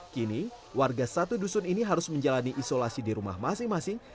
kini warga satu dusun ini harus menjalani isolasi di rumah masing masing